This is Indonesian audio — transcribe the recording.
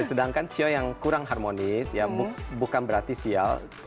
sedangkan sio yang kurang harmonis ya bukan berarti sio yang beruntung